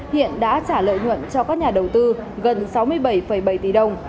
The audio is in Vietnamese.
hiện đã trả lợi nhuận cho các nhà đầu tư gần sáu mươi bảy bảy tỷ đồng